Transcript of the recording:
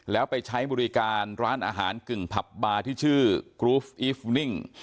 แล้วไปใช้บริการร้านอาหารกึ่งผับบาร์ที่ชื่อกรูฟอีฟูนิ่ง